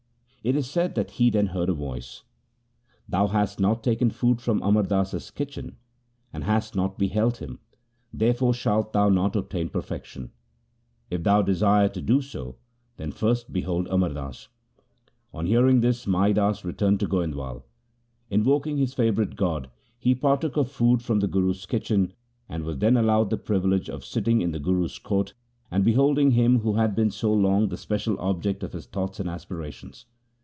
It is said that he then heard a voice :' Thou hast not taken food from Amar Das's kitchen, and hast not beheld him; there fore shalt thou not obtain perfection. If thou desire to do so, then first behold Amar Das.' On hearing this Mai Das returned to Goindwal. Invoking his favourite god, he partook of food from the Guru's kitchen, and was then allowed the privi lege of sitting in the Guru's court and beholding him who had been so long the special object of his thoughts and aspirations.